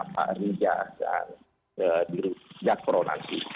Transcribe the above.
pak riza dan jakro nanti